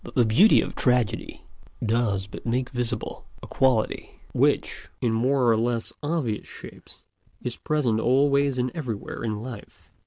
But the beauty of Tragedy does but make visible a quality which, in more or less obvious shapes, is present always and everywhere in life.